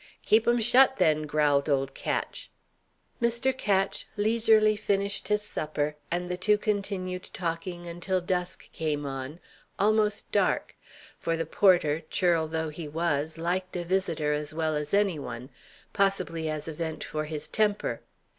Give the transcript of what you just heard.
"Keep 'em shut then," growled old Ketch. Mr. Ketch leisurely finished his supper, and the two continued talking until dusk came on almost dark; for the porter, churl though he was, liked a visitor as well as any one possibly as a vent for his temper.